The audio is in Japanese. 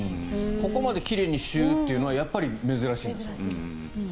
ここまで奇麗にシューというのはやっぱり珍しいです。